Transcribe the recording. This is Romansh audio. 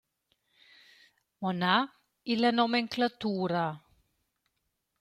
Mo na in la nomenclatura.